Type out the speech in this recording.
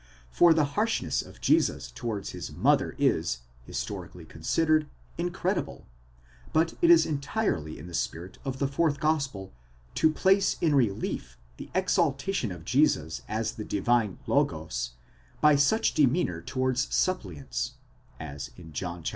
For the harshness of Jesus towards his mother is, historically considered, incredible ; but it is entirely in the spirit of the fourth gospel, to place in relief the exaltation of Jesus as the divine Logos by such demeanour towards suppliants (as in John iv.